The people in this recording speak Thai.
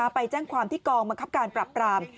ไปแจ้งความที่กองบังคับการปรับปราม